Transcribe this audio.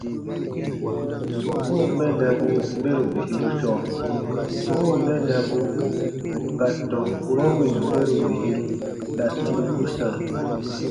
Kɔ̃ɔ mɛnnabu mɛro bisiru sɔɔ : kɔ̃ɔ mɛnnabu ka tɔn kurɔ wìn mɛro bisiru ta turuku sãa.